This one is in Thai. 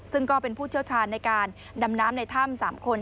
ซึ่งก็เป็นผู้เชี่ยวชาญในการดำน้ำในถ้ำ๓คน